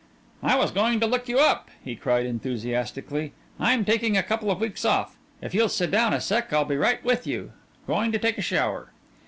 "I was going to look you up," he cried enthusiastically. "I'm taking a couple of weeks off. If you'll sit down a sec I'll be right with you. Going to take a shower."